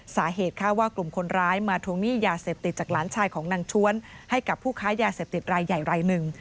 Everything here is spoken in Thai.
สาเหตุคาดว่ากลุ่มคนร้ายมาทวงหนี้ยาเสพติดจากหลานชายของนางชวนให้กับผู้ค้ายาเสพติดรายใหญ่รายหนึ่ง